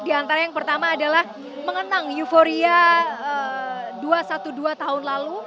di antara yang pertama adalah mengenang euforia dua ratus dua belas tahun lalu